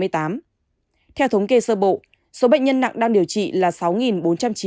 theo thống kê sơ bộ số bệnh nhân nặng đang điều trị là sáu bốn trăm chín mươi chín người